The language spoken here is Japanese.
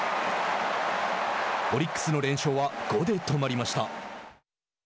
オリックスの連勝は５で止まりました。